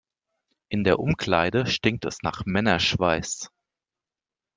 In der Umkleide stinkt es nach Männerschweiß.